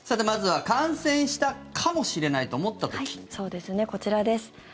まずは感染したかもしれないとこちらです。